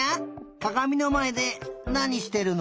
かがみのまえでなにしてるの？